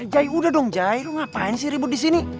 jai udah dong jai lu ngapain sih ribut disini